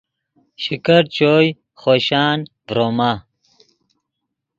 شکیٹ چوئے خوشان ڤروما